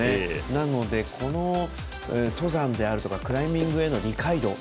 なので、登山であるとかクライミングへの理解度